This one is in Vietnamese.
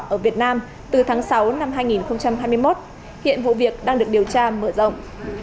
ở việt nam từ tháng sáu năm hai nghìn hai mươi một hiện vụ việc đang được điều tra mở rộng